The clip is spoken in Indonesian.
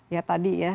ya tadi ya